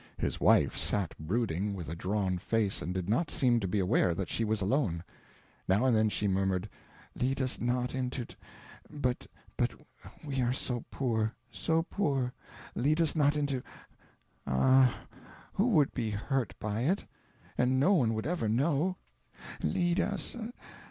His wife sat brooding, with a drawn face, and did not seem to be aware that she was alone. Now and then she murmured, "Lead us not into t... but but we are so poor, so poor!... Lead us not into... Ah, who would be hurt by it? and no one would ever know... Lead us...."